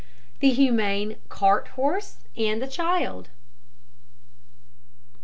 THE HUMANE CART HORSE AND THE CHILD.